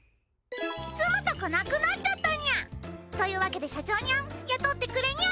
住むとこなくなっちゃったにゃ。というわけで社長にゃん雇ってくれにゃ。